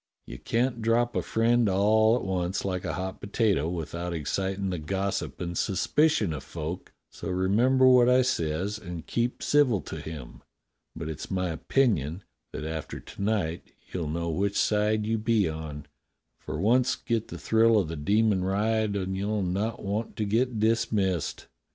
You can't drop a friend all at once like a hot potato without excitin' the gossip and suspicion of folk; so remember what I says and keep civil to him. But it's my opinion that after to night you'll know which side you be on, for once get the thrill of the demon ride and you'll not want to get dismissed.